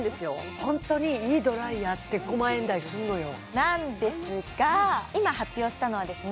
ホントにいいドライヤーって５万円台するのよなんですが今発表したのはですね